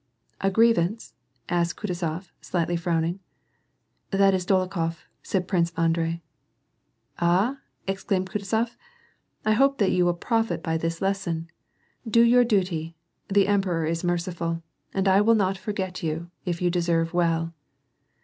A grievance ?" asked Kutuzof, slightly frowning. "That is Dolokhof," said Prince Andrei. " Ah ?" exclaimed Kutuzof, " I hope that you will profit by this lesson. Do your duty. The emperor is merciful. And I will not forget you, if you deserve well."